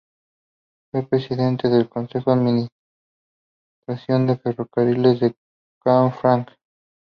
Fue presidente del consejo de administración de Ferrocarriles de Canfranc.